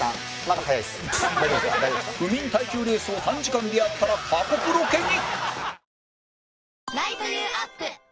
不眠耐久レースを短時間でやったら過酷ロケに！